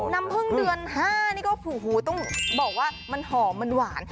น้ำพึ่งเดือน๕นี่ก็ต้องบอกว่ามันหอมมันหวาน